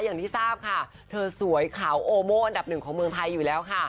อย่างที่ทราบค่ะเธอสวยขาวโอโม่อันดับหนึ่งของเมืองไทยอยู่แล้วค่ะ